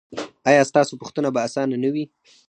ایا ستاسو پوښتنه به اسانه نه وي؟